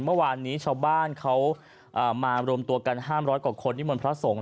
เมื่อวานนี้ชาวบ้านเขามารวมตัวกันห้ามร้อยกับคนมนตร์พระศงศ์